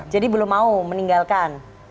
jadi belum mau meninggalkan